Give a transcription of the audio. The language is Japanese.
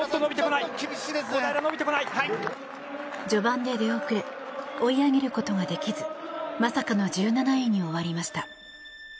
序盤で出遅れ追い上げることができずまさかの１７位に終わりました。